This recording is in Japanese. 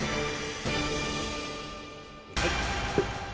はい。